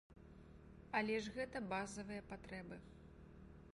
Але ж гэта базавыя патрэбы.